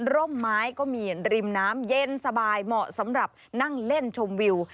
ร่มไม้ก็มีริมน้ำเย็นสบายเหมาะสำหรับนั่งเล่นชมวิว